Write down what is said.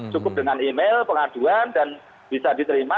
cukup dengan email pengaduan dan bisa diterima